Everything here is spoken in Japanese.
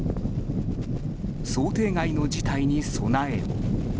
想定外の事態に備えを。